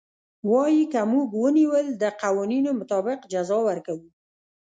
وايي که موږ ونيول د قوانينو مطابق جزا ورکوو.